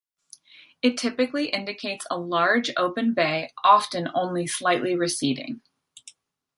It typically indicates a large, open bay, often only slightly receding.